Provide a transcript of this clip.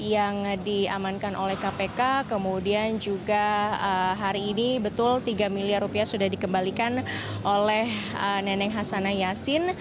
yang diamankan oleh kpk kemudian juga hari ini betul tiga miliar rupiah sudah dikembalikan oleh neneng hasanah yassin